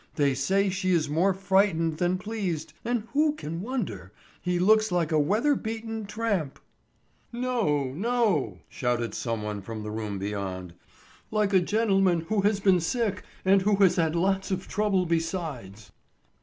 They say she is more frightened than pleased, and who can wonder? He looks like a weather beaten tramp!" "No, no," shouted some one from the room beyond, "like a gentleman who has been sick and who has had lots of trouble besides."